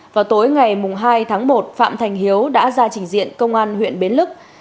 vào tối ngày hai tháng một phạm thành hiếu đã ra trình diện công an huyện bến lức